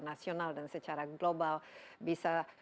nasional dan secara global bisa